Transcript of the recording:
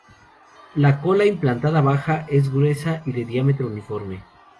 La cola, implantada baja, es gruesa y de diámetro uniforme.